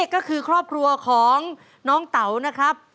ก็คือครอบครัวของน้องเต๋านะครับ